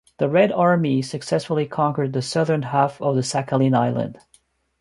The Red Army successfully conquered the southern half of Sakhalin Island.